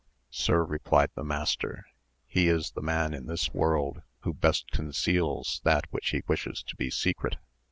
Sir, replied the master, he is the man in this world who best conceals that which he wishes to be secret.